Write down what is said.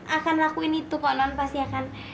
akan lakuin itu kok nan pasti akan